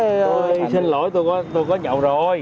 tôi xin lỗi tôi có nhậu rồi